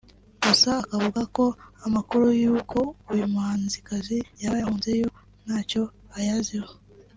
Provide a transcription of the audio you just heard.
gusa akavuga ko amakuru y’uko uyu muhanzikazi yaba yarahunze yo ntacyo ayaziho